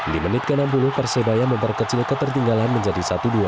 di menit ke enam puluh persebaya memperkecil ketertinggalan menjadi satu dua